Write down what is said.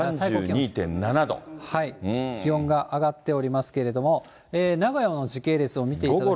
気温が上がっておりますけれども、名古屋の時系列を見ていただきますと。